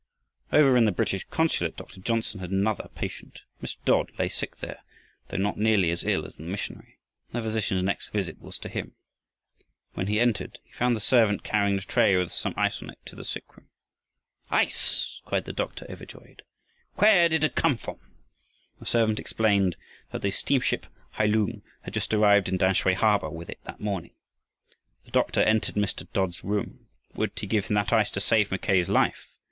Over in the British consulate Dr. Johnsen had another patient. Mr. Dodd lay sick there, though not nearly as ill as the missionary, and the physician's next visit was to him. When he entered he found a servant carrying a tray with some ice on it to the sick room. "Ice!" cried the doctor, overjoyed. "Where did it come from?" The servant explained that the steamship Hailoong had just arrived in Tamsui harbor with it that morning. The doctor entered Mr. Dodd's room. Would he give him that ice to save Mackay's life?